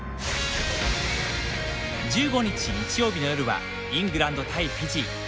１５日、日曜日の夜はイングランド対フィジー。